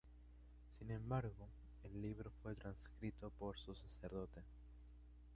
Sin embargo, el libro fue transcrito por su sacerdote.